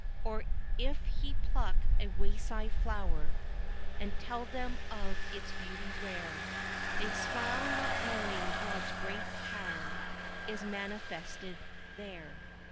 Or if he pluck a wayside flower And tell them of its beauty rare, They smile, not knowing God's great power Is manifested there.